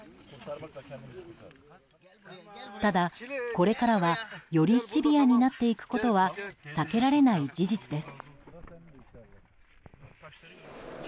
ただ、これからはよりシビアになっていくことは避けられない事実です。